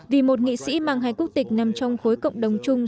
vì một nghị sĩ mang hai quốc tịch nằm trong khối cộng đồng chung